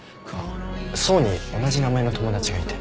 想に同じ名前の友達がいて。